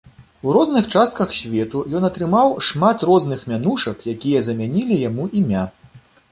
У розных частках свету ён атрымаў шмат розных мянушак, якія замянілі яму імя.